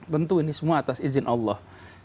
tentu ini semua atas izin allah